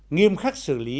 nghiêm khắc xử lý